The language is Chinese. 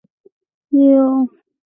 从唐代起改玄畅楼为八咏楼。